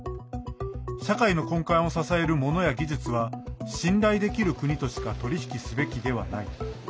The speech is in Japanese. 社会の根幹を支えるモノや技術は信頼できる国としか取り引きすべきではない。